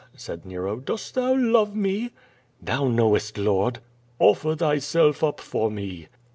said Nero, "dost thou love me?" "Thou knowest. Lord." "Offer thyself up for me."